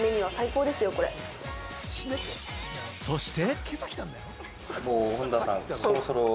そして。